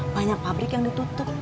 banyak pabrik yang ditutup